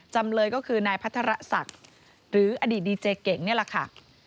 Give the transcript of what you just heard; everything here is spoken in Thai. จำเลยก็คือนายพัทรศักดิ์หรืออดีตดีเจเก่งนี่แหละค่ะ